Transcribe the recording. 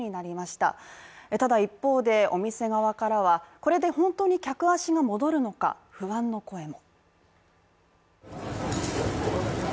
ただ一方でお店側からは、これで本当に客足が戻るのか不安の声も。